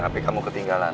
ini hp kamu ketinggalan